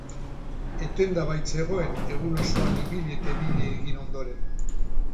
Etenda baitzegoen, egun osoan ibili eta ibili egin ondoren.